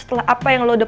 putri apa ini bagaimana